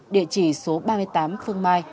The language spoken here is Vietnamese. địa chỉ số ba mươi tám phương mai